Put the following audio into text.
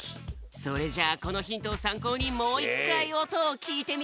それじゃあこのヒントをさんこうにもう１かいおとをきいてみよう。